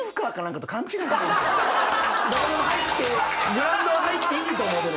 グラウンドは入っていいと思うてる。